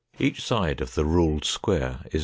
Each side of the ruled square is 0.